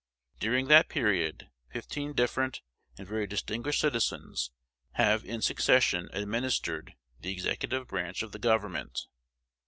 During that period, fifteen different and very distinguished citizens have in succession administered the executive branch of the government.